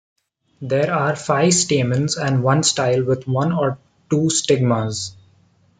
There are five stamens and one style with one or two stigmas.